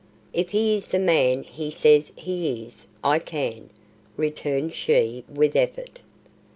"If he is the man he says he is, I can," returned she, with effort.